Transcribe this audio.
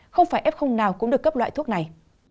không phải f nào cũng được cấp loại thuốc này